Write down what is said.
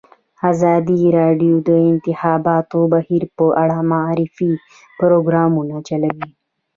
ازادي راډیو د د انتخاباتو بهیر په اړه د معارفې پروګرامونه چلولي.